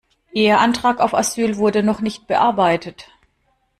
Ihr Antrag auf Asyl wurde noch nicht bearbeitet.